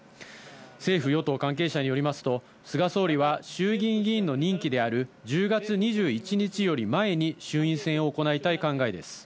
政府・与党関係者によりますと菅総理は衆議院議員の任期である１０月２１日より前に衆院選を行いたい考えです。